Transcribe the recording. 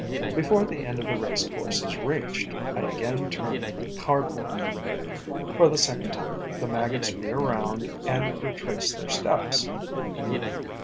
Before the end of the racecourse is reached, I again turn the cardboard. For the second time, the maggots veer round and retrace their steps.